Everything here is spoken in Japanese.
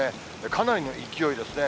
かなりの勢いですね。